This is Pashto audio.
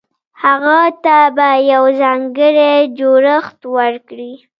هغه ته به يو ځانګړی جوړښت ورکړي.